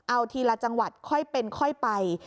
เอาทีละจังหวัดค่อยเป็นค่อยไป